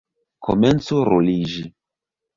Komencu ruliĝi!